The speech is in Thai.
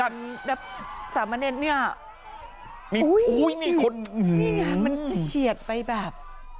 นั่นนี้มีอุ้ยมีคนเนี่ยมันเฉียจไปแบบ